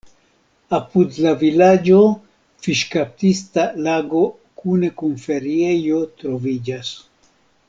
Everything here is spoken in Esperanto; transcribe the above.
Apud la vilaĝo fiŝkaptista lago kune kun feriejo troviĝas.